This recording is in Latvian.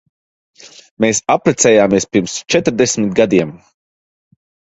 Mēs apprecējāmies pirms četrdesmit gadiem.